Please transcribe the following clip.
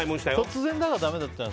突然だからだめだったの。